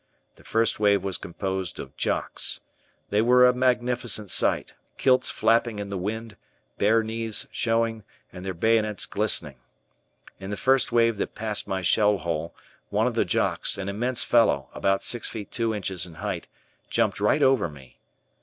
The first wave was composed of "Jocks." They were a magnificent sight, kilts flapping in the wind, bare knees showing, and their bayonets glistening. In the first wave that passed my shell hole, one of the "Jocks," an immense fellow, about six feet two inches in height, jumped right over me.